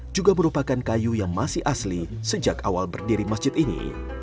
juga merupakan kayu yang masih asli sejak awal berdiri masjid ini